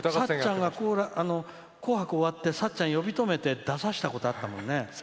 さっちゃんが「紅白」終わって呼び止めて出させたことあったもんね。